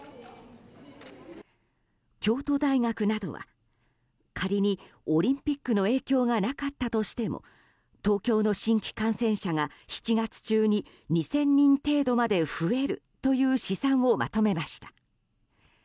京都大学などは仮にオリンピックの影響がなかったとしても東京の新規感染者が７月中に２０００人程度まで増えるという試算をまとめました。